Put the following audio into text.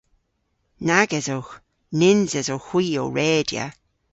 Nag esowgh. Nyns esowgh hwi ow redya.